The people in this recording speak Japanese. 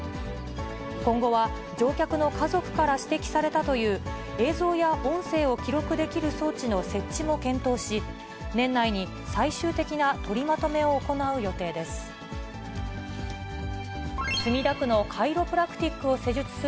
今後は乗客の家族から指摘されたという、映像や音声を記録できる装置の設置も検討し、年内に最終的な取りまとめを行う予定です。